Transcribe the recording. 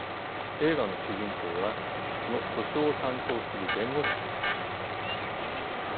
映画の主人公はその補償を担当する弁護士です。